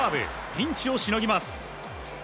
ピンチをしのぎます。